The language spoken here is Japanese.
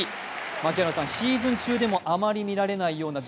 槙原さん、シーズン中でもあまり見られないような。